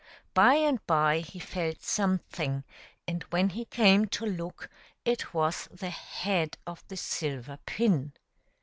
By and by he felt something, and when he came to look it was the head of the silver pin.